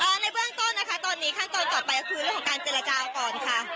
ในเบื้องต้นนะคะตอนนี้ขั้นตอนต่อไปก็คือเรื่องของการเจรจาก่อนค่ะ